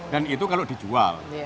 dan itu kalau dijual